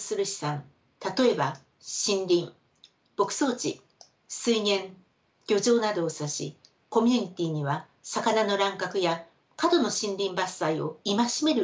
例えば森林牧草地水源漁場などを指しコミュニティーには魚の乱獲や過度の森林伐採を戒めるルールがありました。